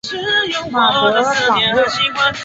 马德朗热。